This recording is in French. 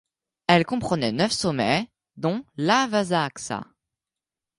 Elle comprenait neuf sommets, dont l'Aavasaksa.